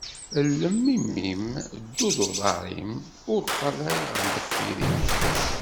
Llem imi-im, ddu d uḍar-im, ur ṭalay ɣer deffir-m.